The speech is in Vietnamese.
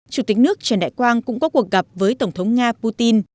chủ tịch nước trần đại quang cũng có cuộc gặp với tổng thống nga putin